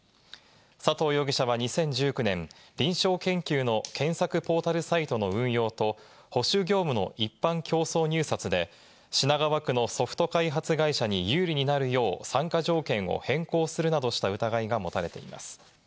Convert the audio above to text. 佐藤容疑者は２０１９年、臨床研究の検索ポータルサイトの運用と、保守業務の一般競争入札で品川区のソフト開発会社に有利になるよう、参加条件を変更するなどした疑いが持たれています。